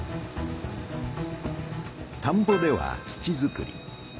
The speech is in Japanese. たんぼでは土づくり。